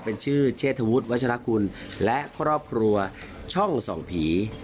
เป็นชื่อเชษฐวุฒิวัชลคุณและครอบครัวช่องส่องผี